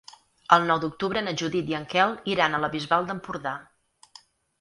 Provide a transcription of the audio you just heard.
El nou d'octubre na Judit i en Quel iran a la Bisbal d'Empordà.